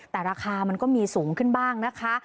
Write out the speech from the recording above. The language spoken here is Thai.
แต่ราคามันก็มีสูงขึ้นบ้างนะคะ